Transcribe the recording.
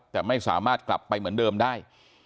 แต่ไม่สามารถกลับไปเหมือนเดิมได้